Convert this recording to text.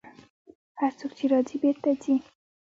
هر څوک چې راځي، بېرته ځي.